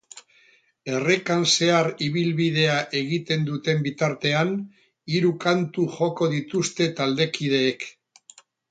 Errekan zehar ibilbidea egiten duten bitartean hiru kantu joko dituzte taldekideek.